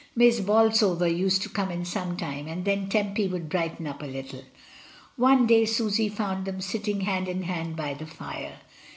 Miss Bolsover used to come in sometimes, and then Tempy would brighten up a little. One day Susy found them sitting hand in hand by the fire.